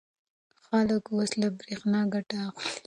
خلک اوس له برېښنا ګټه اخلي.